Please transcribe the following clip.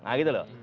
nah gitu loh